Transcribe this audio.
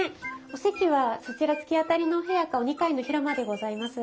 お席はそちら突き当たりのお部屋かお二階の広間でございます。